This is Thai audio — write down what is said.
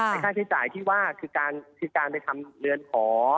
ค่าใช้จ่ายที่ว่าคือการไปทำเรือนขอ